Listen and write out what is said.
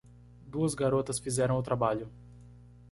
Duas garotas fizeram o trabalho.